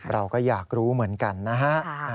เราก็อยากรู้เหมือนกันนะฮะ